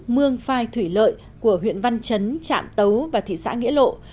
mương phai thủy lợi của huyện văn chấn trạm tấu và thị xã nghĩa lộ